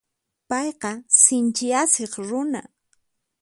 Payqa sinchi asiq runa.